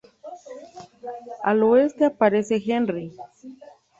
Al oeste aparece Henry.